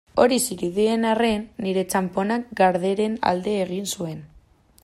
Hori zirudien arren, nire txanponak Garderen alde egin zuen.